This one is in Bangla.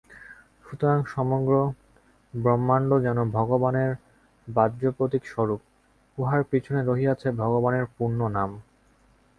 সুতরাং সমগ্র ব্রহ্মাণ্ড যেন ভগবানের বাহ্য প্রতীক-স্বরূপ, উহার পিছনে রহিয়াছে ভগবানের পুণ্য নাম।